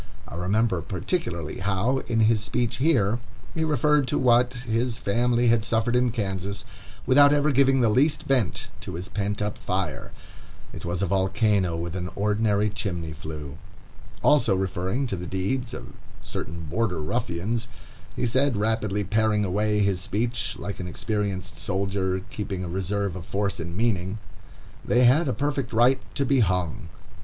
I remember, particularly, how, in his speech here, he referred to what his family had suffered in Kansas, without ever giving the least vent to his pent up fire. It was a volcano with an ordinary chimney flue. Also referring to the deeds of certain Border Ruffians, he said, rapidly paring away his speech, like an experienced soldier, keeping a reserve of force and meaning, "They had a perfect right to be hung."